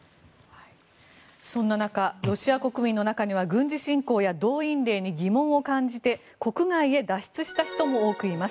そんな中ロシア国民の中には軍事侵攻や動員令に疑問を感じて国外へ脱出した人も多くいます。